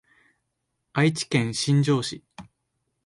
愛知県新城市